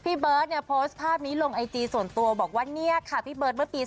พี่เบิร์ตเนี่ยโพสต์ภาพนี้ลงไอจีส่วนตัวบอกว่าเนี่ยค่ะพี่เบิร์ตเมื่อปี๒๕